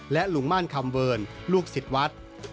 และลุงม่านคำเวิร์นลูกศิษย์วัด